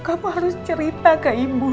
kamu harus cerita ke ibu